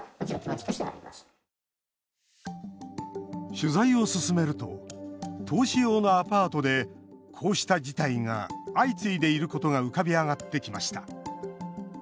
取材を進めると投資用のアパートでこうした事態が相次いでいることが浮かび上がってきました。